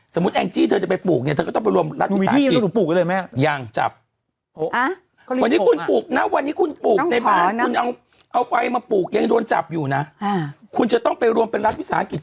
แองจี้เธอจะไปปลูกเนี่ยเธอก็ต้องไปรวมรัฐวิสาหกิจ